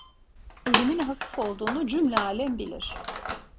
Elimin hafif olduğunu cümle alem bilir.